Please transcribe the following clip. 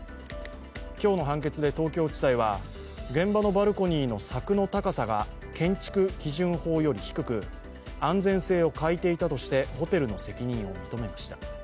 今日の判決で東京地裁は、現場のバルコニーの柵の高さが建築基準法より低く、安全性を欠いていたとしてホテルの責任を認めました。